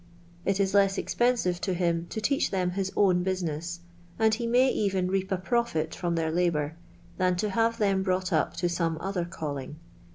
It is less expensive to him to teach them his own bnsineu, and he may even reap a profit from their labour, than to have them brought up to some other calling.